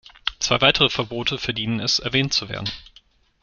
Zwei weitere Verbote verdienen es, erwähnt zu werden.